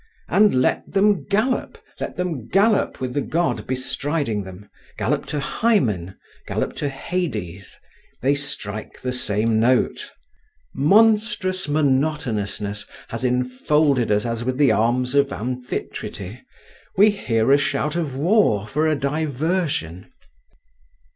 And let them gallop; let them gallop with the God bestriding them; gallop to Hymen, gallop to Hades, they strike the same note. Monstrous monotonousness has enfolded us as with the arms of Amphitrite! We hear a shout of war for a diversion.